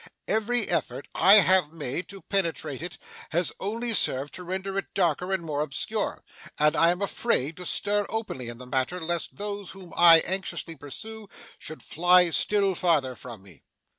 Every effort I have made to penetrate it, has only served to render it darker and more obscure; and I am afraid to stir openly in the matter, lest those whom I anxiously pursue, should fly still farther from me.